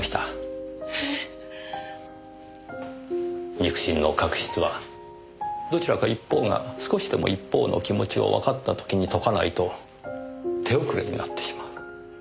肉親の確執はどちらか一方が少しでも一方の気持ちをわかった時にとかないと手遅れになってしまう。